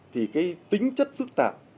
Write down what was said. thì cái tính chất phức tạp